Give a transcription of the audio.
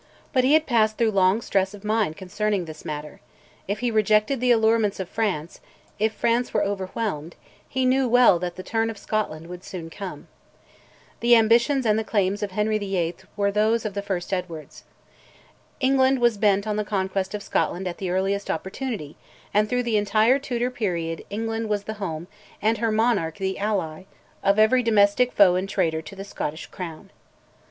But he had passed through long stress of mind concerning this matter. If he rejected the allurements of France, if France were overwhelmed, he knew well that the turn of Scotland would come soon. The ambitions and the claims of Henry VIII. were those of the first Edwards. England was bent on the conquest of Scotland at the earliest opportunity, and through the entire Tudor period England was the home and her monarch the ally of every domestic foe and traitor to the Scottish Crown.